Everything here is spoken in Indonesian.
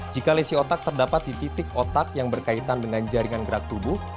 jika lesi otak terdapat di titik otak yang berkaitan dengan jaringan gerak tubuh